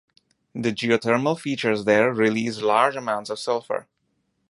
The geothermal features there release large amounts of sulfur.